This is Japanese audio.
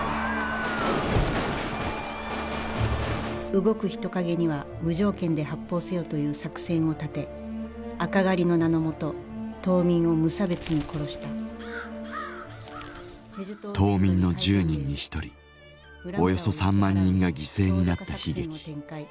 動く人影には無条件で発砲せよという作戦を立て赤狩りの名のもと島民を無差別に殺した島民の１０人に１人およそ３万人が犠牲になった悲劇。